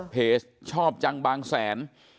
ชอบจังบางแสน